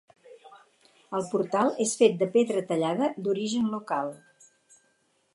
El portal és fet de pedra tallada d'origen local.